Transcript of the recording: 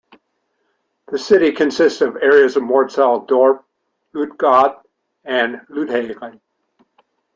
The city consists of the areas Mortsel-Dorp, Oude-God and Luithagen.